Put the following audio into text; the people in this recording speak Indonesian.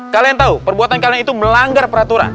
kalian tahu perbuatan kalian itu melanggar peraturan